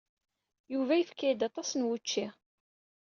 Yuba yefka-iyi-d aṭas n wučči.